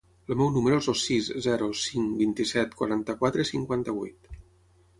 El meu número es el sis, zero, cinc, vint-i-set, quaranta-quatre, cinquanta-vuit.